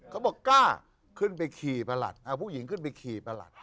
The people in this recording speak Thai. เขาบอกกล้าขึ้นไปขี่ประหลัดเอาผู้หญิงขึ้นไปขี่ประหลัด